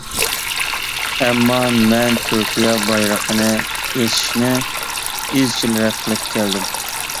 ئەمما، مەن تۈركىيە بايرىقىنى ئېسىشنى ئىزچىل رەت قىلىپ كەلدىم.